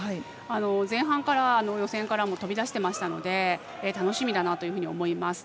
前半から予選も飛び出してましたので楽しみだなと思います。